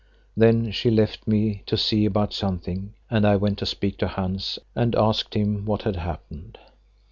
Then she left me to see about something and I went to speak to Hans and asked him what had happened.